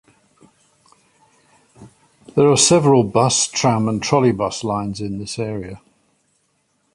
There are several bus, tram and trolleybus lines in this area.